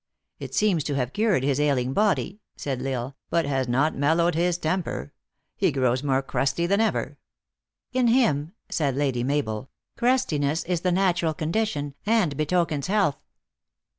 " It seems to have cured his ailing body," said L Isle, " but has not mellowed his temper. He grows more crusty than ever." " In him," said Lady Mabel, " crustiness is the natu ral condition, and betokens health."